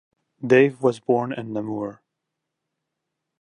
Dave was born in Namur.